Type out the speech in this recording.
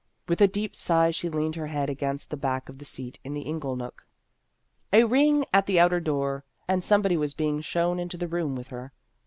With a deep sigh she leaned her head against the back of the seat in the ingle nook. A ring at the outer door, and some body was being shown into the room with her.